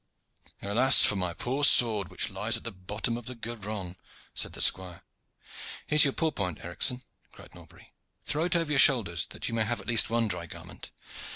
"Alas for my poor sword which lies at the bottom of the Garonne!" said the squire. "Here is your pourpoint, Edricson," cried Norbury. "Throw it over your shoulders, that you may have at least one dry garment."